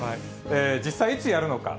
実際、いつやるのか。